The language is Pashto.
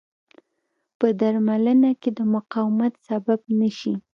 په درملنه کې د مقاومت سبب نه شي.